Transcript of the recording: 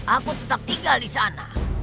aku tetap tinggal di sana